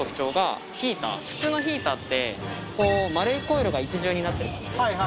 普通のヒーターって丸いコイルが一重になってるんです。